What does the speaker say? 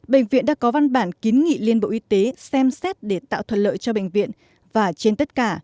bệnh viện đã có văn bản kiến nghị liên bộ y tế xem xét để tạo thuận lợi cho bệnh viện và trên tất cả